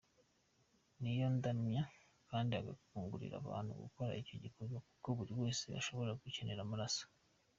Niyondamya kandi akangurira abantu gukora icyo gikorwa kuko buri wese ashobora gukenera amaraso.